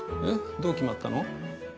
えっどう決まったの？